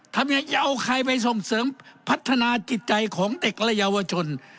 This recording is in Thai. ทำยังไงจะเอาใครไปส่งเสริมพัฒนาจิตใจของเด็กและเยาวชน